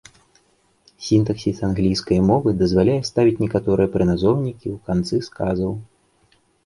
Сінтаксіс англійскай мовы дазваляе ставіць некаторыя прыназоўнікі ў канцы сказаў.